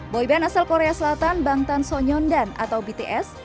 boy band asal korea selatan bangtan sonyeondan atau bts